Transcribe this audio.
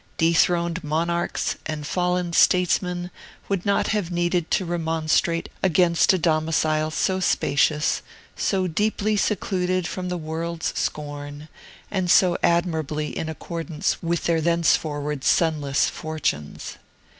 Dethroned monarchs and fallen statesmen would not have needed to remonstrate against a domicile so spacious, so deeply secluded from the world's scorn, and so admirably in accordance with their thenceforward sunless fortunes.